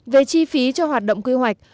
về chi phí cho hoạt động quy hoạch